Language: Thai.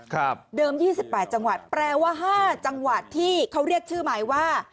เดิมยี่สิบแปดจังหวัดแปลว่าห้าจังหวัดที่เขาเรียกชื่อหมายว่า